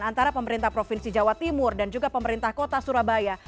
antara pemerintah provinsi jawa timur dan juga pemerintah kota surabaya